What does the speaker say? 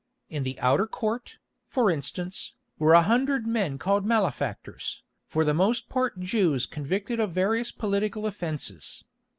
In the outer court, for instance, were a hundred men called malefactors, for the most part Jews convicted of various political offences.